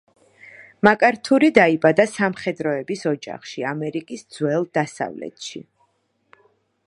მაკართური დაიბადა სამხედროების ოჯახში, ამერიკის ძველ დასავლეთში.